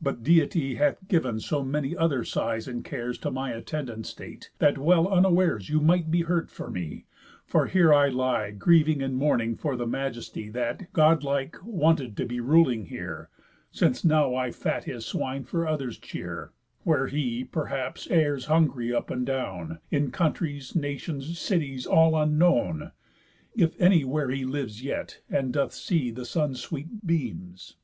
But Deity Hath giv'n so many other sighs and cares To my attendant state, that well unwares You might be hurt for me, for here I lie Grieving and mourning for the Majesty That, God like, wonted to be ruling here, Since now I fat his swine for others' cheer, Where he, perhaps, errs hungry up and down, In countries, nations, cities, all unknown; If any where he lives yet, and doth see The sun's sweet beams.